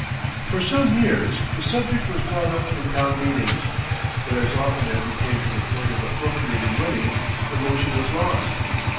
For some years the subject was brought up in town meetings; but as often as it came to the point of appropriating money the motion was lost.